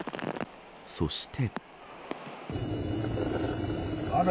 そして。